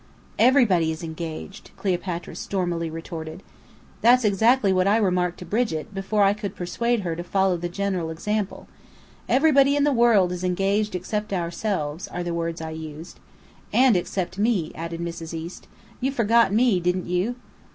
"Everybody is engaged!" Cleopatra stormily retorted. "That's exactly what I remarked to Brigit, before I could persuade her to follow the general example. 'Everybody in the world is engaged except ourselves,' are the words I used." "And except me," added Mrs. East. "You forgot me, didn't you?"